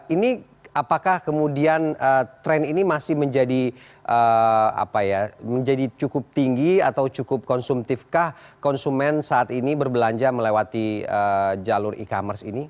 ini apakah kemudian tren ini masih menjadi cukup tinggi atau cukup konsumtifkah konsumen saat ini berbelanja melewati jalur e commerce ini